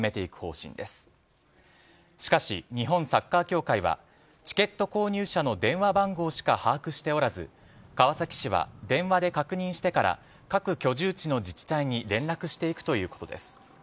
しかし、日本サッカー協会はチケット購入者の電話番号しか把握しておらず川崎市は電話で確認してから各居住地の自治体に連絡していくということです。